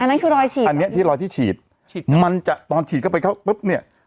นั่นคือรอยฉีดอันเนี้ยที่รอยที่ฉีดมันจะตอนฉีดเข้าไปเข้าปุ๊บเนี่ย